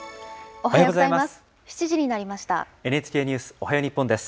おはようございます。